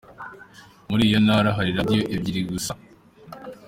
Muri iyo ntara hari Radio ebyiri gusa.